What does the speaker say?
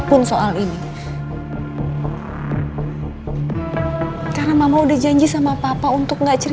kenyataan itu bukan hal yang hanya hai entonces